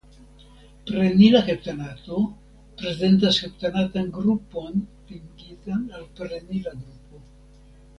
Prenila heptanato prezentas heptanatan grupon ligitan al prenila grupo.